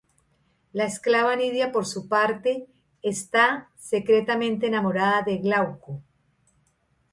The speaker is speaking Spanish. La esclava Nidia por su parte está secretamente enamorada de Glauco.